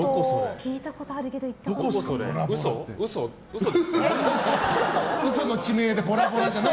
聞いたことあるけど行ったことない。